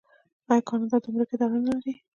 آیا کاناډا د ګمرک اداره نلري؟